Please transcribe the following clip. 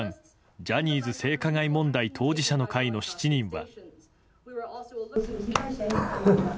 ジャニーズ性加害問題当事者の会の７人は。